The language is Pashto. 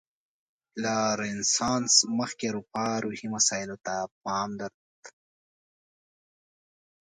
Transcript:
له رنسانس مخکې اروپا روحي مسایلو ته پام درلود.